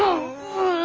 うん！